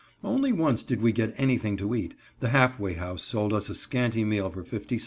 Only once did we get anything to eat, the halfway house sold us a scanty meal for 50 cents each.